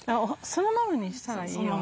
そのままにしたらいいよ。